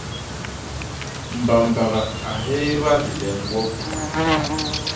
Mbabaga a hééba dileñgwo.